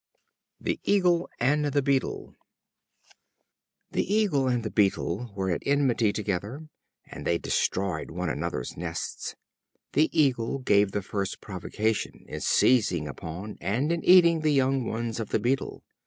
The Eagle and the Beetle. The Eagle and the Beetle were at enmity together, and they destroyed one another's nests. The Eagle gave the first provocation in seizing upon and in eating the young ones of the Beetle.